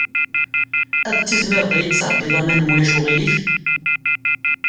Ad tizmireḍ ad iyi-d-tesɛeddiḍ aman, ma ulac aɣilif?